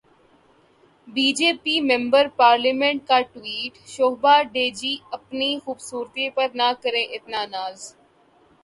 be J P member parliament کا tweet, Shobha De ji, اپنی خوبصورتی پر نہ کریں اتنا ناز